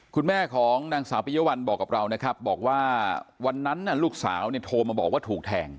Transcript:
คุณแม่ของนางสาวปิยวัลบอกกับเรานะครับบอกว่าวันนั้นลูกสาวเนี่ยโทรมาบอกว่าถูกแทง